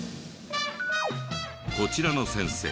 こちらの先生